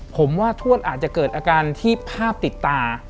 ผมว่าทวดอาจจะเกิดอาการที่ภาพติดตา